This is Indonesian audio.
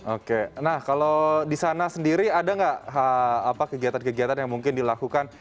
oke nah kalau di sana sendiri ada nggak kegiatan kegiatan yang mungkin dilakukan